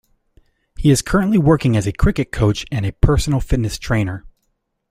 He is currently working as a cricket coach and a personal fitness trainer.